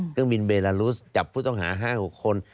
เครื่องบินเบลารุสจับผู้ต้องหา๕๖คน